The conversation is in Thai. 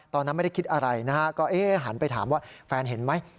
ตอนนั้นไม่ได้คิดอะไรนะฮะก็หันไปถามว่าแฟนเห็นไหม